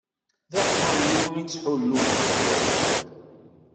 D aḥullu i ttḥullun deg wawal.